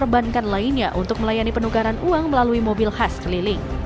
perbankan lainnya untuk melayani penukaran uang melalui mobil khas keliling